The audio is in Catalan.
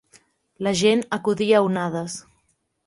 La gent acudia a onades.